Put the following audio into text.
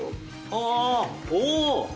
ああおおー！